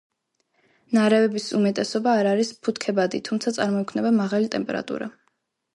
ნარევების უმეტესობა არ არის ფეთქებადი, თუმცა წარმოიქმნება მაღალი ტემპერატურა.